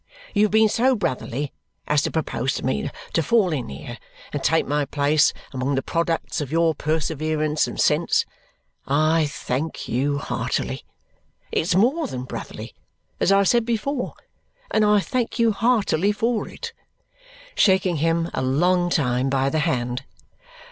You have been so brotherly as to propose to me to fall in here and take my place among the products of your perseverance and sense. I thank you heartily. It's more than brotherly, as I said before, and I thank you heartily for it," shaking him a long time by the hand.